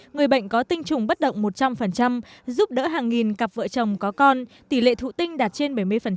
người bệnh có tinh trùng bất động một trăm linh giúp đỡ hàng nghìn cặp vợ chồng có con tỷ lệ thụ tinh đạt trên bảy mươi